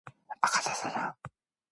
내 손 뗀지 오래됐다니까?